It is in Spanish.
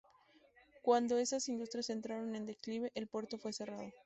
Cuando esas industrias entraron en declive, el puerto fue cerrado.